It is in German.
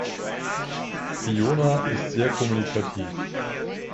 Fiona ist sehr kommunikativ.